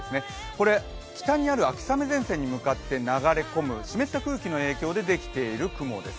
これ北にある秋雨前線に向かって流れ込む湿った空気の影響でできている雲です。